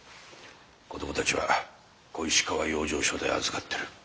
子どもたちは小石川養生所で預かってる。